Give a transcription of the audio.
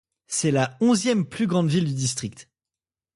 C'est la onzième plus grande ville du district.